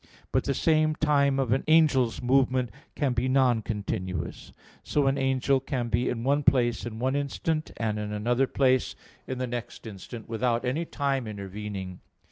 But the same time of an angel's movement can be non continuous. So an angel can be in one place in one instant, and in another place in the next instant, without any time intervening.